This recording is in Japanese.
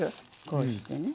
こうしてね。